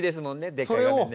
でっかい画面ね。